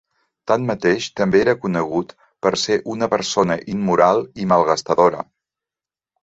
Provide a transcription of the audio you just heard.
Tanmateix, també era conegut per ser una persona immoral i malgastadora.